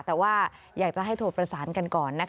แต่ว่าอยากจะให้โทรประสานกันก่อนนะคะ